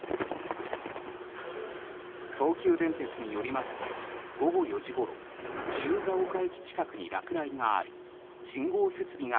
東急電鉄によりますと午後４時ごろ自由が丘駅近くに落雷があり信号設備が